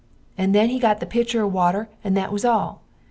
And then he got the pitcher of water and that was all.